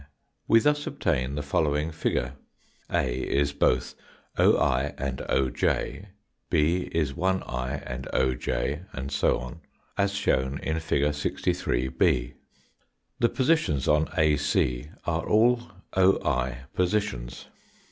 We thus obtain the following figure : A is both oi and oj, B is 1 i A _ C ai] d o}, and so on as shown in fig. 636. The positions on AC are all oi positions.